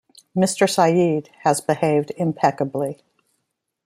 Mr Sayeed has behaved impeccably.